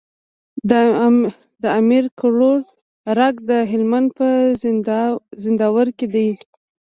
د امير کروړ ارګ د هلمند په زينداور کي دی